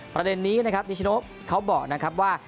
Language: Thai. ประเด็นนี้นะครับนิชโนเขาบอกนะครับว่า